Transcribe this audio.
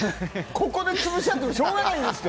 ここで潰し合ってもしょうがないんですって。